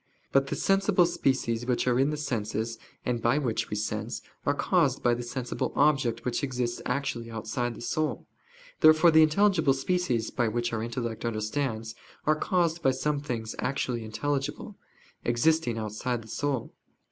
But the sensible species which are in the senses, and by which we sense, are caused by the sensible object which exists actually outside the soul. Therefore the intelligible species, by which our intellect understands, are caused by some things actually intelligible, existing outside the soul.